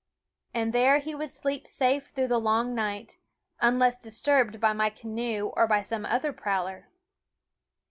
And there he would sleep safe through the long night, unless disturbed by my canoe or by some other prowler.